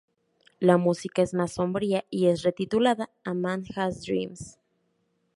La música es más sombría y es retitulada, "A Man Has Dreams".